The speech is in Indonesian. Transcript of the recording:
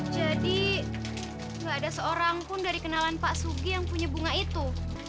jadi enggak ada seorang pun dari kenalan pak sugi yang punya bunga itu